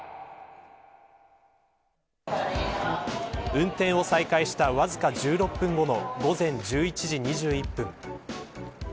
運転を再開したわずか１６分後の午前１１時２１分。